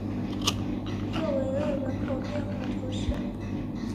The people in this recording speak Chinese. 厄维勒人口变化图示